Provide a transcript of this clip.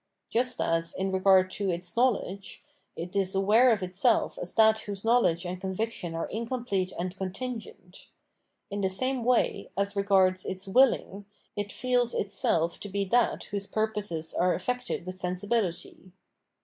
Just as, in' regard to its knowledge, it is aware of itself as that whose knowledge and conviction are incomplete and con tingent ; in the same way, as regards its wiUi'ng, it feels itself to be that whose purposes are affected ■with sensi bihty.